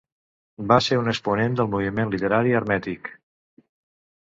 Va ser un exponent del moviment literari hermètic.